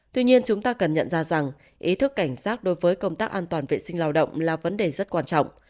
tuy nhiên chúng ta cần nhận ra rằng ý thức cảnh sát đối với công tác an toàn vệ sinh lao động là vấn đề rất quan trọng